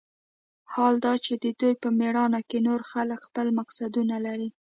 حال دا چې د دوى په مېړانه کښې نور خلق خپل مقصدونه لري.